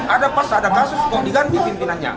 ada pas ada kasus kok diganti pimpinannya